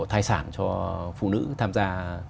thai sản cho phụ nữ tham gia